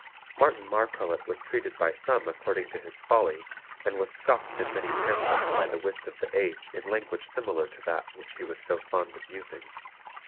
Martin Marprelate was treated by some according to his folly, and was scoffed in many pamphlets by the wits of the age in language similar to that which he was so fond of using.